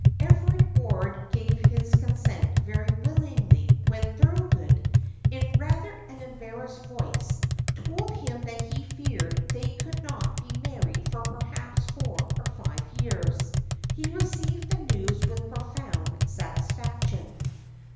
Everard Ward gave his consent very willingly when Thorold, in rather an embarrassed voice, told him that he feared they could not be married for perhaps four or five years. He received the news with profound satisfaction.